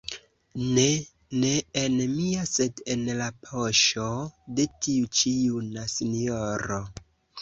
Ne, ne en mia, sed en la poŝo de tiu ĉi juna sinjoro.